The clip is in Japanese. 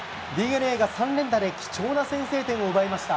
ＤｅＮＡが３連打で貴重な先制点を奪いました。